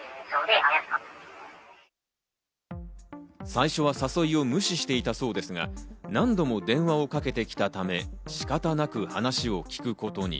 最初は誘いを無視していたそうですが、何度も電話をかけてきたため、仕方なく話を聞くことに。